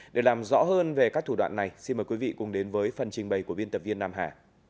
để làm rõ hơn về các thủ đoạn này xin mời quý vị cùng đến với phần trình bày của biên tập viên nam hà